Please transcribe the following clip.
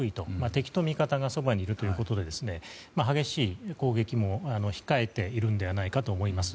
敵と味方がそばにいるということで激しい攻撃も控えているのではないかと思います。